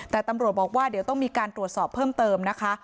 แต่ตำรวจบอกว่าเดี๋ยวต้องมีการตรวจสอบเพิ่มเติมนะคะ